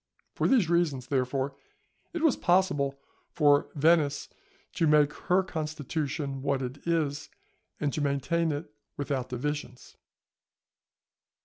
For these reasons, therefore, it was possible for Venice to make her constitution what it is, and to maintain it without divisions.